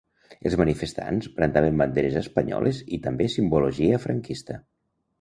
Els manifestants brandaven banderes espanyoles i també simbologia franquista.